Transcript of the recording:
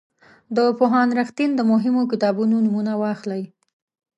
د پوهاند رښتین د مهمو کتابونو نومونه واخلئ.